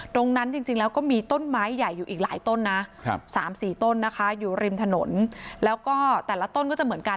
จริงแล้วก็มีต้นไม้ใหญ่อยู่อีกหลายต้นนะ๓๔ต้นนะคะอยู่ริมถนนแล้วก็แต่ละต้นก็จะเหมือนกัน